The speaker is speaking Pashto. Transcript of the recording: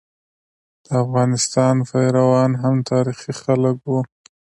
د افغانستان پيروان هم تاریخي خلک وو.